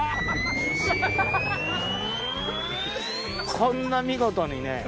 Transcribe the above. こんな見事にね